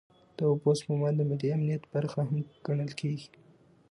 د اوبو سپما د ملي امنیت برخه هم ګڼل کېږي.